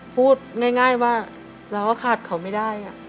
พูดง่ายว่าเราก็ขาดเขาไม่ได้